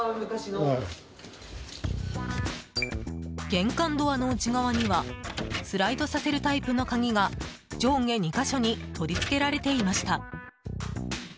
玄関ドアの内側にはスライドさせるタイプの鍵が上下２か所に取り付けられていました。